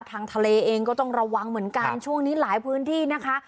ทางทะเลเองก็ต้องระวังเหมือนกันช่วงนี้หลายพื้นที่นะคะ